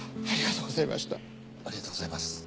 ありがとうございます。